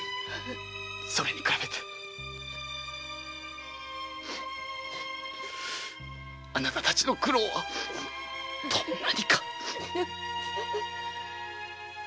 それに比べてあなたたちの苦労はどんなにか！